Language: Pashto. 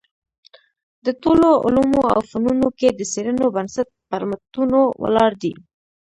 د ټولو علومو او فنونو کي د څېړنو بنسټ پر متونو ولاړ دﺉ.